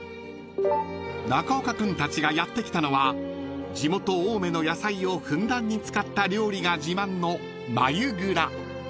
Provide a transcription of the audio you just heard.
［中岡君たちがやって来たのは地元青梅の野菜をふんだんに使った料理が自慢の］